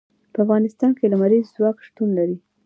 په افغانستان کې لمریز ځواک شتون لري.